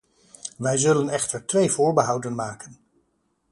Wij zullen echter twee voorbehouden maken.